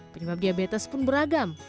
penyebab diabetes pun beragam